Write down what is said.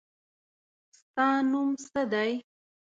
ستا نوم څه دی؟